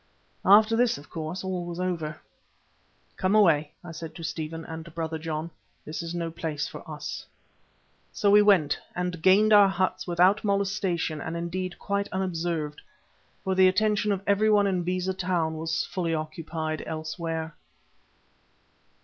After this of course all was over. "Come away," I said to Stephen and Brother John; "this is no place for us." So we went and gained our huts without molestation and indeed quite unobserved, for the attention of everyone in Beza Town was fully occupied elsewhere.